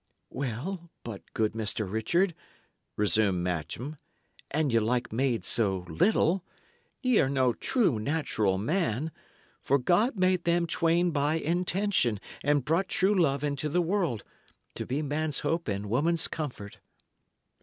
"Well, but, good Master Richard," resumed Matcham, "an ye like maids so little, y' are no true natural man; for God made them twain by intention, and brought true love into the world, to be man's hope and woman's comfort."